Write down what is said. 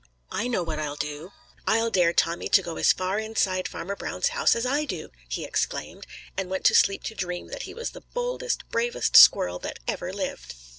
"I know what I'll do! I'll dare Tommy to go as far inside Farmer Brown's house as I do!" he exclaimed, and went to sleep to dream that he was the boldest, bravest squirrel that ever lived.